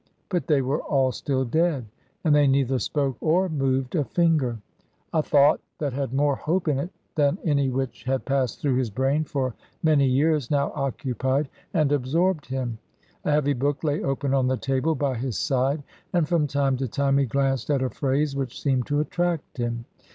But they were all still dead, and they neither spoke or moved a finger. A thought that had more hope in it than any which had passed through his brain for many years now occupied and absorbed him. A heavy book lay open on the table by his side, and from time to time he glanced at a phrase which seemed to attract him.